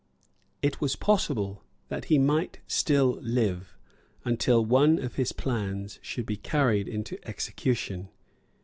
It was possible that he might still live until one of his plans should be carried into execution.